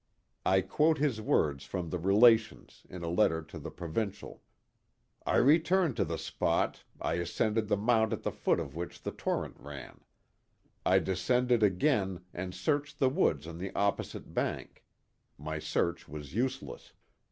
I quote his words from the RelationSy in a letter to the Provincial : I returned to the spot, I ascended the mount at the foot of which the torrent ran. I descended again and searched the woods on the opposite bank; my search was useless.